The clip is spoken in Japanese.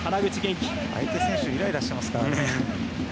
相手選手イライラしていますからね。